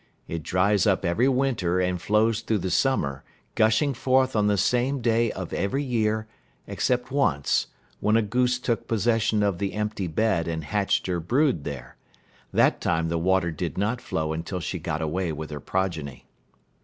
It dries up every winter and flows through the summer, gushing forth on the same day of every year, except once, when a goose took possession of the empty bed and hatched her brood there. That time the water did not flow until she got away with her progeny.